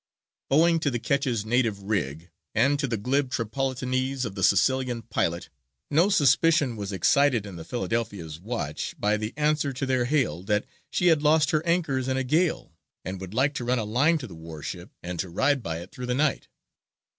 Owing to the ketch's native rig, and to the glib Tripolitanese of the Sicilian pilot, no suspicion was excited in the Philadelphia's watch by the answer to their hail that she had lost her anchors in a gale and would like to run a line to the war ship and to ride by it through the night.